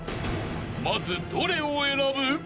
［まずどれを選ぶ？］